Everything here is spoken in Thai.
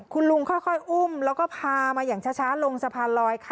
คุณลุงค่อยอุ้มแล้วก็พามาอย่างช้าลงสะพานลอยค่ะ